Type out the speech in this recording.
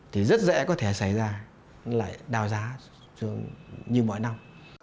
thì rất dễ có thể xảy ra lại đào giá như mọi năm